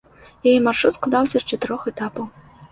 Яе маршрут складаўся з чатырох этапаў.